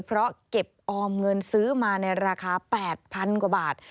เพราะเก็บออมเงินซื้อมาในราคา๘๐๐๐กว่าบาท